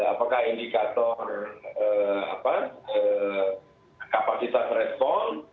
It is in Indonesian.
apakah indikator kapasitas respon